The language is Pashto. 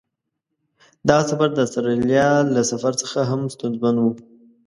دغه سفر د استرالیا له سفر څخه هم ستونزمن و.